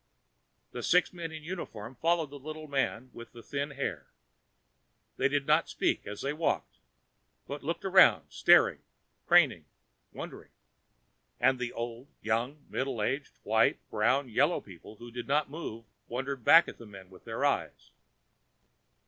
The six men in uniforms followed the little man with the thin hair. They did not speak as they walked, but looked around, stared, craned, wondered.... And the old, young, middle aged, white, brown, yellow people who did not move wondered back at the men with their eyes....